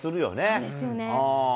そうですよね。